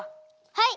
はい！